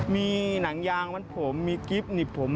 มีหนังยางมัดผมมีกิฟต์หนีบผม